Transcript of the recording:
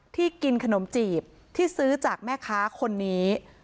กินขนมจีบที่ซื้อจากแม่ค้าคนนี้